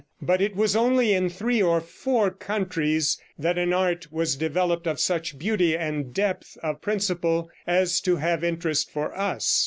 But it was only in three or four countries that an art was developed of such beauty and depth of principle as to have interest for us.